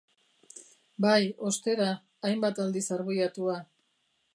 Bai, ostera, hainbat aldiz arbuiatua.